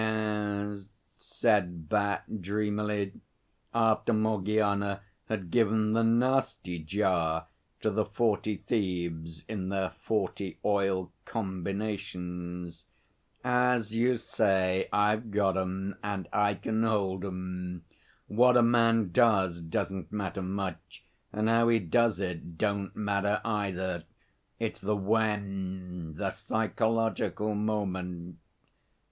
'Ye es,' said Bat dreamily, after Morgiana had given 'the nasty jar' to the Forty Thieves in their forty oil 'combinations.' 'As you say, I've got 'em and I can hold 'em. What a man does doesn't matter much; and how he does it don't matter either. It's the when the psychological moment.